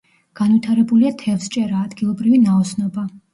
განვითარებულია თევზჭერა, ადგილობრივი ნაოსნობა.